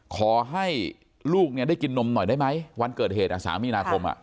ขอให้ลูกได้กินนมหน่อยได้ไหมวันเกิดเหตุ๓มีนาคม